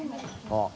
あっ。